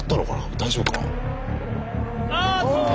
大丈夫か？